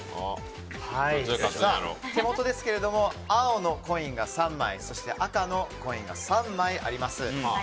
手元は青のコインが３枚そして赤のコインが３枚あります。